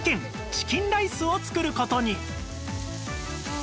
チキンライスを作る事に